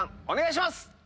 お願いします！